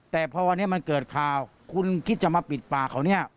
แต่พอวันนี้มันเกิดข่าวคุณคิดจะมาปิดปากเขาเนี่ย